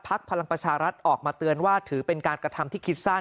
พลังประชารัฐออกมาเตือนว่าถือเป็นการกระทำที่คิดสั้น